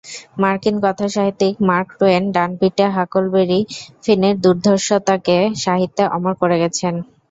মার্কিন কথাসাহিত্যিক Mark Twain ডানপিটে হাকলবেরি ফিনের দুর্ধর্ষতাকে সাহিত্যে অমর করে গেছেন।